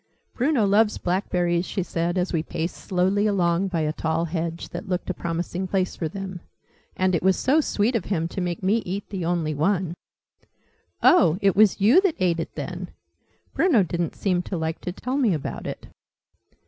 "Bruno loves blackberries," she said, as we paced slowly along by a tall hedge, "that looked a promising place for them, and it was so sweet of him to make me eat the only one!" "Oh, it was you that ate it, then? Bruno didn't seem to like to tell me about it."